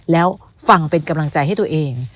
แล้วฟังเป็นกำลังใจให้ตัวเอง